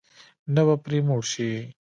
نه به پرې موړ شې.